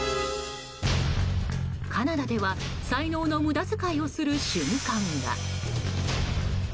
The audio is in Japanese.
カナダでは才能の無駄遣いをする瞬間が。